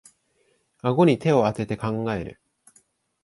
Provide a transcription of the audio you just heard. あごに手をあてて考える